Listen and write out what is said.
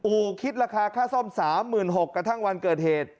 โอ้โหคิดราคาค่าซ่อม๓๖๐๐กระทั่งวันเกิดเหตุ